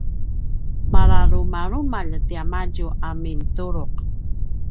malalumalumalj tiamadju a mintulu’